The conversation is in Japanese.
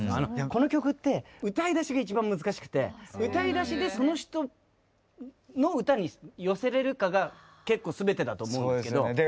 この曲って歌いだしが一番難しくて歌いだしでその人の歌に寄せれるかが結構すべてだと思うんですけど。